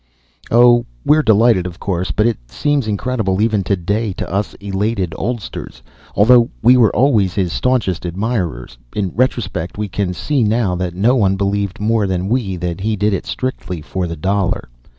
Oh, we're delighted of course, but it seems incredible even today to us elated oldsters. Although we were always his staunchest admirers, in retrospect we can see now that no one believed more than we that he did it strictly for the dollar.